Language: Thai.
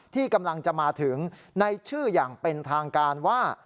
ที่กำลังจะมาถึงในชื่ออย่างเป็นทางการว่า